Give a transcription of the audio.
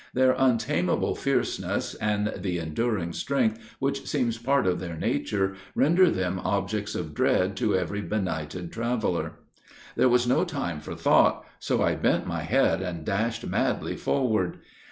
Their untamable fierceness, and the enduring strength, which seems part of their nature, render them objects of dread to every benighted traveler. "There was no time for thought; so I bent my head and dashed madly forward.